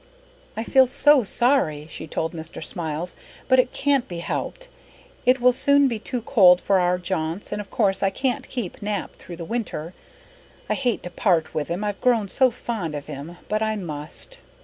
"I feel so sorry," she told Mr. Smiles, "but it can't be helped. It will soon be too cold for our jaunts and of course I can't keep Nap through the winter. I hate to part with him, I've grown so fond of him, but I must."